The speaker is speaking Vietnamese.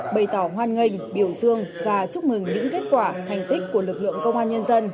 bày tỏ hoan nghênh biểu dương và chúc mừng những kết quả thành tích của lực lượng công an nhân dân